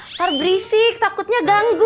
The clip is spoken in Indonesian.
ntar berisik takutnya ganggu